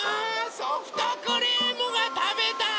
ソフトクリームがたべたい！